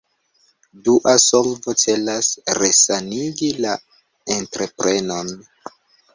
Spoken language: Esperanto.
Dua solvo celas resanigi la entreprenon.